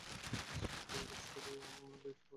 এদের সরু লেজ ও পশম অন্যান্য প্রজাতিদের থেকে এদের আলাদা করে।